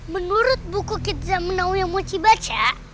menurut buku kit zamenau yang mochi baca